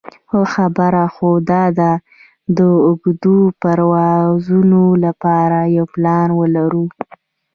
ښه خبره خو داده د اوږدو پروازونو لپاره یو پلان ولرو.